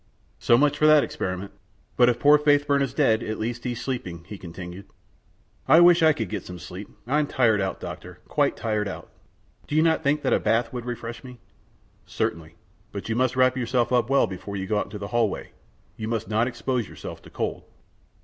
"So much for that experiment. But if poor Faithburn is dead, at least he is sleeping," he continued. "I wish I could get some sleep. I am tired out, Doctor, quite tired out! Do you not think that a bath would refresh me?" "Certainly. But you must wrap yourself up well before you go out into the hall way. You must not expose yourself to cold."